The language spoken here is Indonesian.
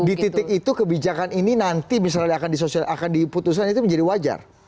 di titik itu kebijakan ini nanti misalnya akan diputuskan itu menjadi wajar